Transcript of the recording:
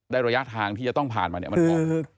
ระยะทางที่จะต้องผ่านมาเนี่ยมันพอ